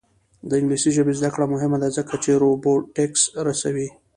د انګلیسي ژبې زده کړه مهمه ده ځکه چې روبوټکس رسوي.